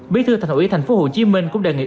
bí thư thành ủy tp hcm cũng đề nghị